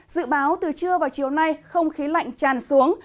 dự báo từ trưa vào chiều nay không khí lạnh tràn xuống